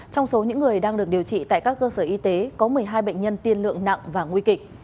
trong số những người đang được điều trị tại các cơ sở y tế có một mươi hai bệnh nhân tiên lượng nặng và nguy kịch